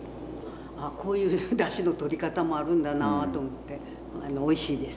あっこういうだしのとり方もあるんだなと思っておいしいです。